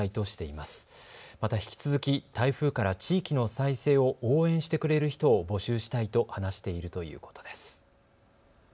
また引き続き台風から地域の再生を応援してくれる人を募集したいと話しているということです。